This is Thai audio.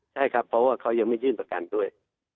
ใช่ครับเพราะว่าเขายังไม่ยื่นประกันด้วย